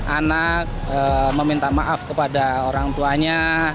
anak meminta maaf kepada orang tuanya